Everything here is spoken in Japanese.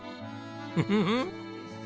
フフフン！